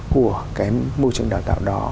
của cái môi trường đào tạo đó